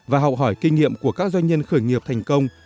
và học hỏi kinh nghiệm của các doanh nhân khởi nghiệp thành công